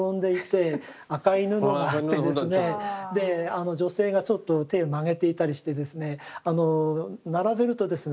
あの女性がちょっと手曲げていたりしてですね並べるとですね